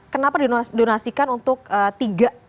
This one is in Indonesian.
kenapa didonasikan untuk tiga ya kan